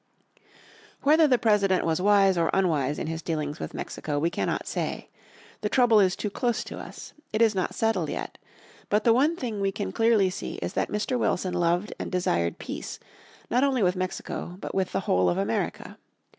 '" Whether the President was wise or unwise in his dealings with Mexico we cannot say. The trouble is too close to us. It is not settled yet. But the one thing we can clearly see is that Mr. Wilson loved and desired peace, not only with Mexico but with the whole of America.